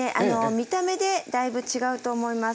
見た目でだいぶ違うと思います。